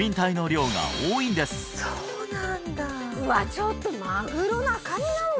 ちょっとマグロの赤身なのに？